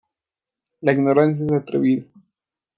La ignorancia es atrevida